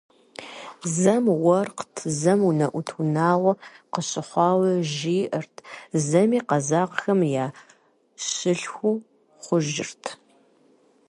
Зэм уэркът, зэм унэӀут унагъуэ къыщыхъуауэ жиӀэрт, зэми къэзакъхэм я щылъху хъужырт.